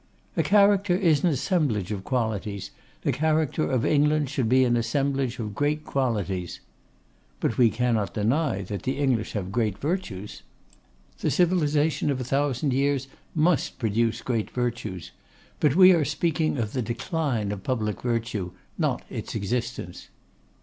'A character is an assemblage of qualities; the character of England should be an assemblage of great qualities.' 'But we cannot deny that the English have great virtues.' 'The civilisation of a thousand years must produce great virtues; but we are speaking of the decline of public virtue, not its existence.